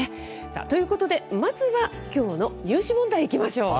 さあ、ということで、まずはきょうの入試問題いきましょう。